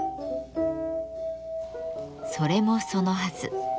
それもそのはず。